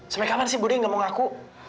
sampai kapan sih budi gak mau ngaku